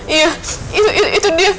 iya itu dia